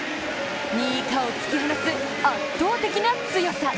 ２位以下を突き放す圧倒的な強さ。